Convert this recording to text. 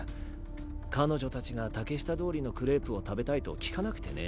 彼女たちが竹下通りのクレープを食べたいと聞かなくてね。